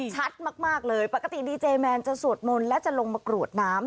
ชัดมากเลยปกติดีเจแมนจะสวดมนต์และจะลงมากรวดน้ำ